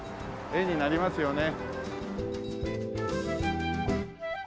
絵になりますよね。